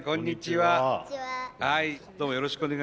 はい。